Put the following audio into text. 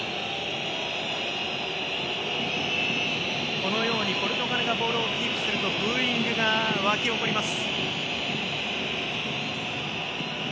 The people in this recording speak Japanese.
このようにポルトガルがボールをキープするとブーイングが沸き起こります。